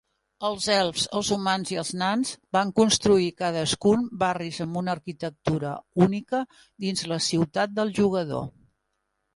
Els elfs, els humans i els nans van construir cadascun barris amb una arquitectura única dins la ciutat del jugador.